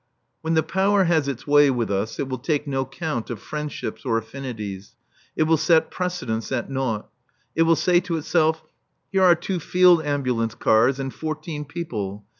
When the Power has its way with us it will take no count of friendships or affinities. It will set precedence at naught. It will say to itself, "Here are two field ambulance cars and fourteen people.